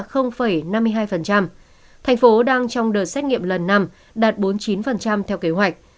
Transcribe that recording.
thành phố đang trong đợt xét nghiệm lần năm đạt bốn mươi chín theo kế hoạch